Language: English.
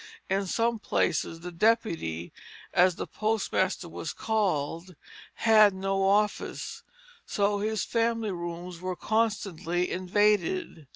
In some places the deputy, as the postmaster was called, had no office, so his family rooms were constantly invaded.